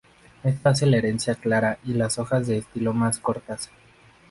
Esto hace la herencia clara y las hojas de estilo más cortas.